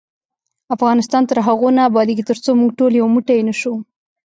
افغانستان تر هغو نه ابادیږي، ترڅو موږ ټول یو موټی نشو.